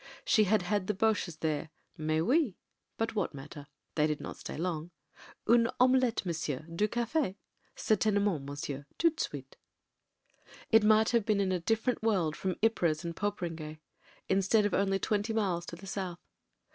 She had had the Boches there — "mais oui" — but what matter? They did not stay long. "Une omelette, monsieur; du cafe? Certaine ment, monsieur. Toute de suite." It might have been in a different world from Ypres and Poperinghe — instead of only twenty miles to the south.